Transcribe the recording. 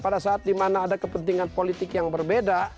ada saat di mana ada kepentingan politik yang berbeda